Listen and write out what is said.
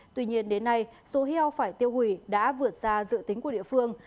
tuy nhiên đến nay số heo phải tiêu hủy đã vượt ra dự tính của địa phương